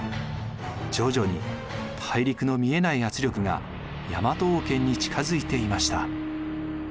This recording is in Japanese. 徐々に大陸の見えない圧力が大和王権に近づいていました。